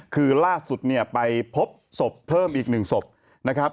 คือล่าสุดไปพบศพเพิ่มอีกหนึ่งศพนะครับ